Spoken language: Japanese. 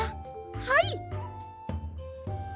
はい！